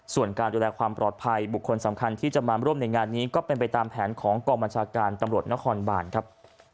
ส่วนการดูแลความปลอดภัยบุคคลสำคัญที่จะมาร่วมในงานนี้ก็เป็นไปตามแผนของกองบัญชาการตำรวจนครบานครับ